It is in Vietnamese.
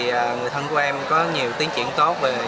sau khi ở đây thì người thân của em có nhiều tiến triển tốt